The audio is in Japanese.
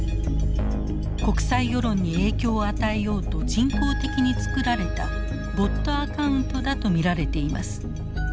国際世論に影響を与えようと人工的に作られたボットアカウントだと見られています。